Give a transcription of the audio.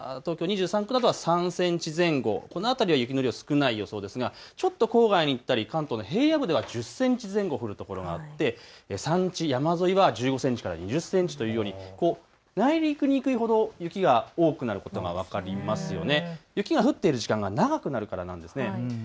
東京湾周辺、東京２３区などは３センチ前後、この辺り雪の少ない予想ですがちょっと郊外に行ったり、関東の平野部では１０センチ前後降る所があって山地、山沿いは１５センチから２０センチというように内陸に行くほど雪が多くなることが分かりますよね。